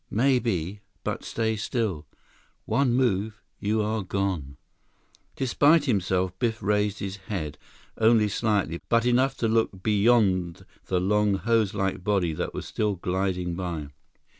"Maybe, but stay still. One move, you are gone." Despite himself, Biff raised his head, only slightly, but enough to look beyond the long, hoselike body that was still gliding by.